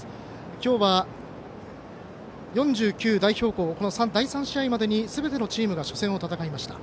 今日は、４９代表校この第３試合までにすべての高校が初戦を戦いました。